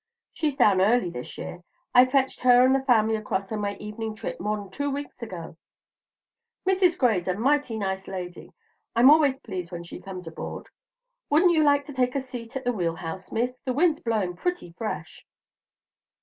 She's down early this year. I fetched her and the family across on my evening trip more'n two weeks ago. Mrs. Gray's a mighty nice lady; I'm always pleased when she comes aboard. Wouldn't you like to take a seat in the wheel house, Miss? The wind's blowing pretty fresh."